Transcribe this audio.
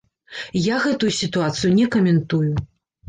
Я гэтую сітуацыю не каментую.